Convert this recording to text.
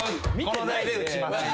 この台で打ちます。